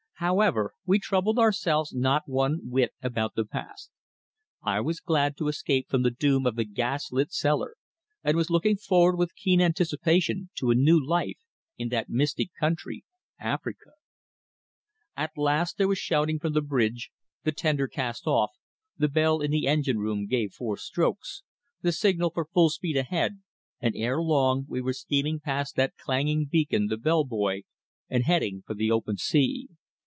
However, we troubled ourselves not one whit about the past. I was glad to escape from the doom of the gas lit cellar, and was looking forward with keen anticipation to a new life in that mystic country, Africa. At last there was shouting from the bridge, the tender cast off, the bell in the engine room gave four strokes, the signal for full speed ahead, and ere long we were steaming past that clanging beacon the Bell Buoy, and heading for the open sea.